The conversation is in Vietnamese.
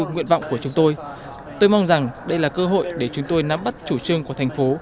nguyện vọng của chúng tôi tôi mong rằng đây là cơ hội để chúng tôi nắm bắt chủ trương của thành phố